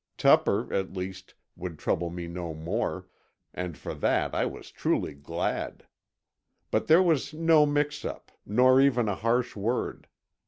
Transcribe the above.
Tupper, at least, would trouble me no more, and for that I was truly glad. But there was no mix up, nor even a harsh word.